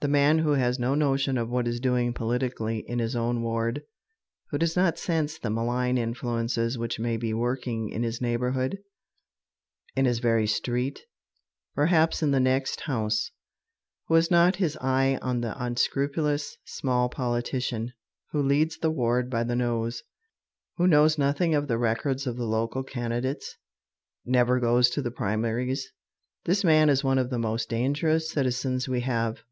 The man who has no notion of what is doing politically in his own ward, who does not sense the malign influences which may be working in his neighborhood, in his very street, perhaps in the next house, who has not his eye on the unscrupulous small politician who leads the ward by the nose, who knows nothing of the records of the local candidates, never goes to the primaries, this man is one of the most dangerous citizens we have.